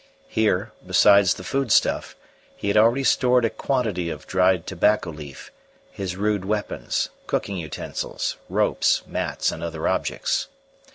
Here, besides the food stuff, he had already stored a quantity of dried tobacco leaf, his rude weapons, cooking utensils, ropes, mats, and other objects.